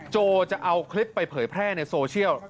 โจจะเอาคลิปไปเผยแพร่ในโซเชียล